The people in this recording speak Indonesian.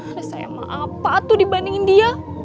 ada sayang apa tuh dibandingin dia